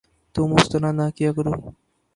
تم اس طرح نہ کیا کرو